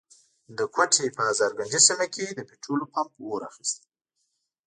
د کوټي په هزارګنجۍ سيمه کي د پټرولو پمپ اور اخستی.